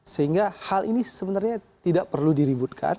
sehingga hal ini sebenarnya tidak perlu diributkan